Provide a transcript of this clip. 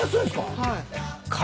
はい。